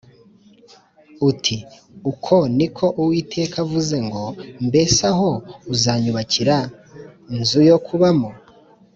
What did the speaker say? uti ‘Uko ni ko Uwiteka avuze ngo: Mbese aho uzanyubakira inzu yo kubamo?